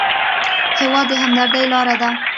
هېواد د همدردۍ لاره ده.